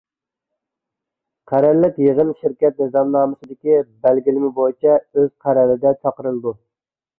قەرەللىك يىغىن شىركەت نىزامنامىسىدىكى بەلگىلىمە بويىچە ئۆز قەرەلىدە چاقىرىلىدۇ.